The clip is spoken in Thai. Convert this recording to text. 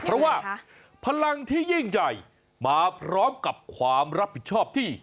เพราะว่าพลังที่ยิ่งใหญ่มาพร้อมกับความรับผิดชอบที่